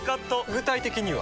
具体的には？